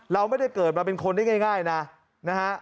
เราไม่ได้เกิดมาเป็นคนได้ง่ายนะนะฮะ